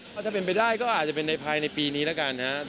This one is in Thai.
ถ้าเป็นไปได้ก็อาจจะเป็นในภายในปีนี้แล้วกันนะครับ